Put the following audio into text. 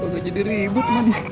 kok gak jadi ribet lagi